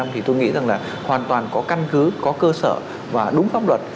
thì tôi nghĩ rằng là hoàn toàn có căn cứ có cơ sở và đúng pháp luật